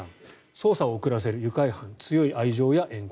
捜査を遅らせる、愉快犯強い愛情やえん恨。